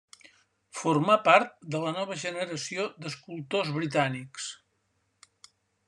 Formà part de la nova generació d'escultors britànics.